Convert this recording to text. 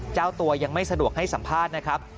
เจ้าตัวยังไม่สะดวกให้สัมภาษณ์นะครับ